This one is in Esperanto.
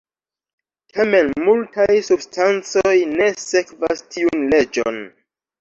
Tamen multaj substancoj ne sekvas tiun leĝon.